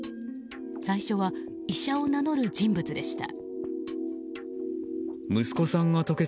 最初は、医者を名乗る人物でした。